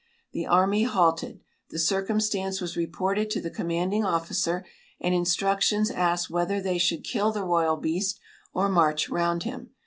The army halted. The circumstance was reported to the commanding officer and instructions asked whether they should kill the royal beast or march round him.